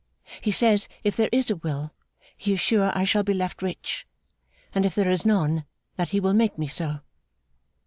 He says, if there is a will, he is sure I shall be left rich; and if there is none, that he will make me so.